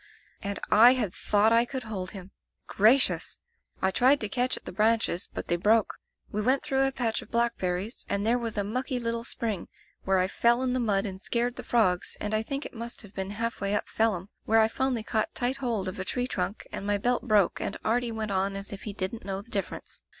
"And I had thought I could hold him! Gracious! I tried to catch at the branches, but they broke. We went through a patch of blackberries, and there was a mucky little spring, where I fell in the mud and scared the frogs, and I think it must have been half way up Phelim, where I finally caught tight hold of a tree trunk and my belt broke and Artie went on as if he didn't know the dif ference.